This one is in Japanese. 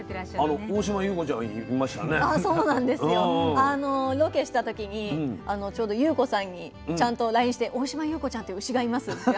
あのロケした時にちょうど優子さんにちゃんとＬＩＮＥして「大島優子ちゃんっていう牛がいます」っていう話をしたら。